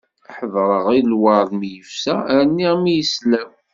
Ḥeḍreɣ i lwerḍ mi yefsa, rniɣ mi yeslaw.